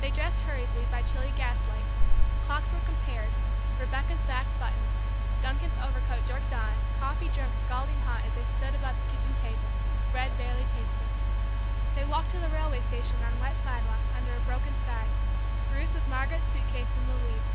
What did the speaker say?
They dressed hurriedly, by chilly gas light; clocks were compared, Rebecca's back buttoned; Duncan's overcoat jerked on; coffee drunk scalding hot as they stood about the kitchen table; bread barely tasted. They walked to the railway station on wet sidewalks, under a broken sky, Bruce, with Margaret's suit case, in the lead.